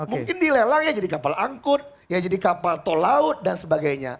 mungkin dilelang ya jadi kapal angkut ya jadi kapal tol laut dan sebagainya